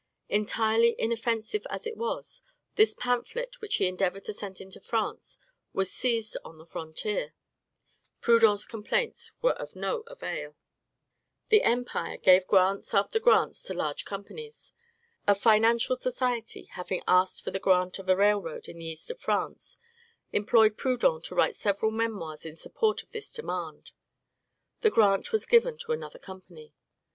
Entirely inoffensive as it was, this pamphlet, which he endeavored to send into France, was seized on the frontier. Proudhon's complaints were of no avail. The empire gave grants after grants to large companies. A financial society, having asked for the grant of a railroad in the east of France, employed Proudhon to write several memoirs in support of this demand. The grant was given to another company.